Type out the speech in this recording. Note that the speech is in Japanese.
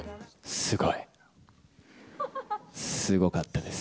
すごい。すごかったです。